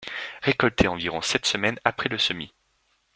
Récolter environ sept semaines après le semis.